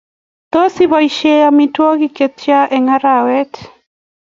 Tos, iboishen amitwogik chetya eng arawet?